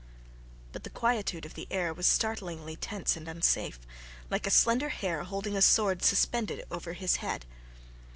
But the quietude of the air was startlingly tense and unsafe, like a slender hair holding a sword suspended over his head.